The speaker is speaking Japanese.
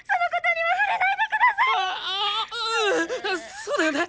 そうだよね！